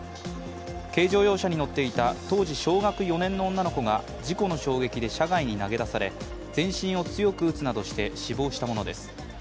軽乗用車に乗っていた当時小学４年の女の子が事故の衝撃で、車外に投げ出され全身を強く打つなどして死亡したものです。